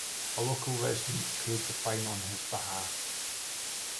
A local resident paid the fine in his behalf.